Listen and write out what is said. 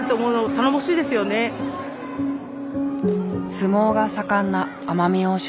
相撲が盛んな奄美大島。